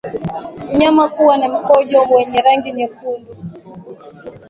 Mnyama kuwa na mkojo wenye rangi nyekundu